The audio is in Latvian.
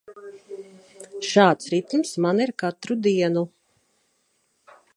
Šāds ritms man ir katru dienu.